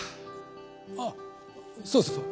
あそうそうそう。